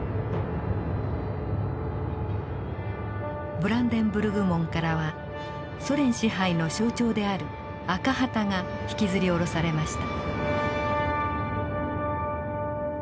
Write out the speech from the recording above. ブランデンブルグ門からはソ連支配の象徴である赤旗が引きずり降ろされました。